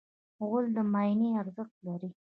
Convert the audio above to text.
غول د معاینې ارزښت لري.